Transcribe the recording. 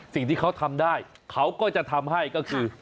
สิ่งที่เขาทำได้เขาก็จะทำให้ก็คือ